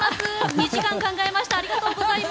２時間考えました。